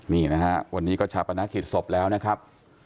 นี่นะฮะวันนี้ก็ชาปนกิจศพแล้วนะครับ